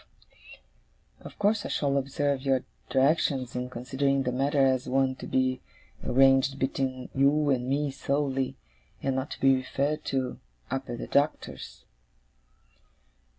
Of course I shall observe your directions, in considering the matter as one to be arranged between you and me solely, and not to be referred to, up at the Doctor's.